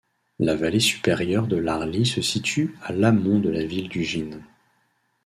La vallée supérieure de l'Arly se situe à l'amont de la ville d'Ugine.